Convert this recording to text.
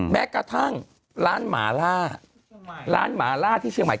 แม้กระทั่งร้านหมาล่าร้านหมาล่าที่เชียงใหม่